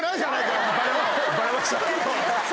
バレました？